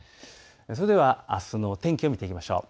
それでは、あすの天気を見ていきましょう。